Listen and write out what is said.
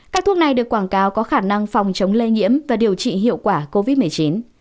các thuốc này được quảng cáo có khả năng phòng chống lây nhiễm và điều trị hiệu quả covid một mươi chín